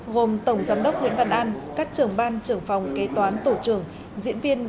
gồm tổng giám đốc nguyễn văn an các trưởng ban trưởng phòng kế toán tổ trưởng diễn viên